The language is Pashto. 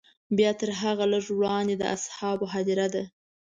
بیا تر هغه لږ وړاندې د اصحابو هدیره ده.